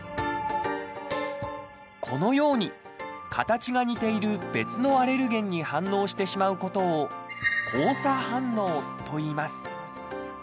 このように形が似ている別のアレルゲンに反応してしまうことを交差反応といいます。